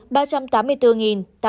bình dương ba trăm tám mươi ba